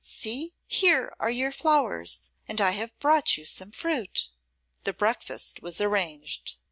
See, here are your flowers, and I have brought you some fruit.' The breakfast was arranged.